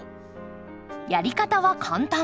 やり方は簡単。